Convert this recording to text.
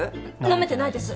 ナメてないです。